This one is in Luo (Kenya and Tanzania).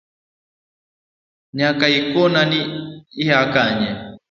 Nyakaikona ni hiya kanye.